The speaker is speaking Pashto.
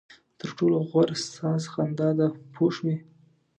تر ټولو غوره ساز خندا ده پوه شوې!.